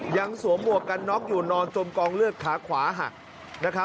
สวมหมวกกันน็อกอยู่นอนจมกองเลือดขาขวาหักนะครับ